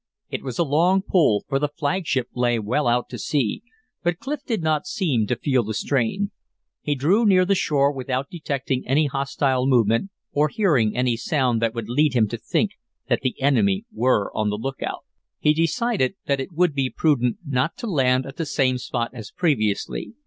It was a long pull, for the flagship lay well out to sea, but Clif did not seem to feel the strain. He drew near the shore without detecting any hostile movement or hearing any sound that would lead him to think that the enemy were on the lookout. He decided that it would be prudent not to land at the same spot as previously.